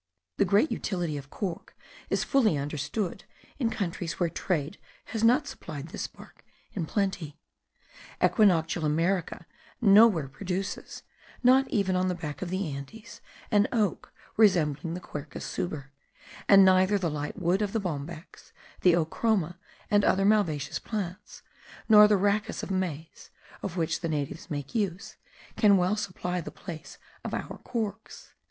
The great utility of cork is fully understood in countries where trade has not supplied this bark in plenty. Equinoctial America nowhere produces, not even on the back of the Andes, an oak resembling the Quercus suber; and neither the light wood of the bombax, the ochroma, and other malvaceous plants, nor the rhachis of maize, of which the natives make use, can well supply the place of our corks.